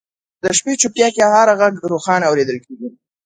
د شپې چوپتیا کې هر ږغ روښانه اورېدل کېږي.